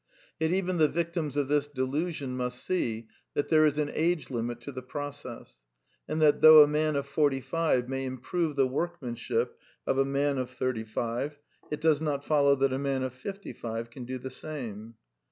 Yet even the victims of this delusion must see that there is an age limit to the process, and that though a man of forty five may improve the work manship of a man of thirty five, it does not follow that a man of fifty five can do the same.